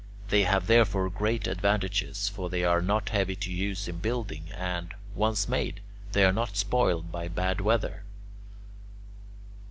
They have therefore great advantages; for they are not heavy to use in building and, once made, they are not spoiled by bad weather.